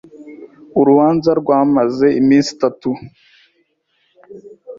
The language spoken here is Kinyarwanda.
Urubanza rwamaze iminsi itanu.